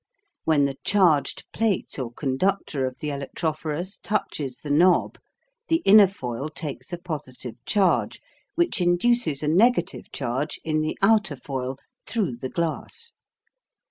When the charged plate or conductor of the electrophorus touches the knob the inner foil takes a positive charge, which induces a negative charge in the outer foil through the glass.